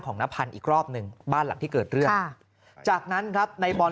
นพันธ์อีกรอบหนึ่งบ้านหลังที่เกิดเรื่องจากนั้นครับในบอล